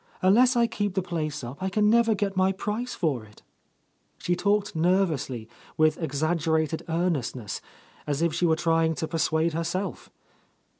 Unless I keep the place up, I can never get my price for it." She talked nervously, with exaggerated earnestness, as if she were trying to persuade her self.